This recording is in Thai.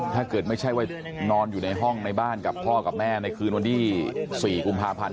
ถ้าเกิดไม่ใช่ว่านอนอยู่ในห้องในบ้านกับพ่อกับแม่ในคืนวันที่๔กุมภาพันธ์